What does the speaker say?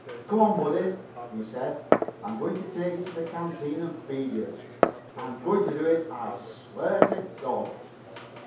"Come on, buddy," he said, "I'm going to take you to the canteen and feed you. I'm going to do it, I swear to God."